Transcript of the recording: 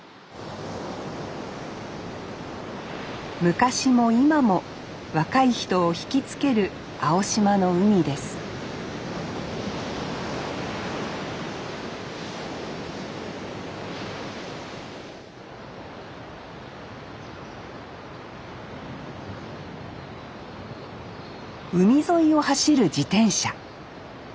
昔も今も若い人をひきつける青島の海です海沿いを走る自転車。